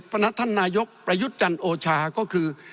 พนักท่านนายกประยุทธ์จันทร์โอชาก็คือ